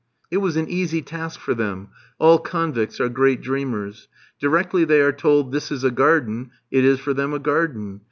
It was an easy task for them; all convicts are great dreamers. Directly they are told "this is a garden," it is for them a garden.